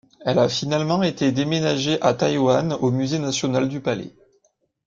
Elle a finalement été déménagée à Taiwan, au Musée National du Palais.